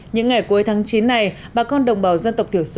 những ngày cuối tháng chín này bà con đồng bào dân tộc thiểu số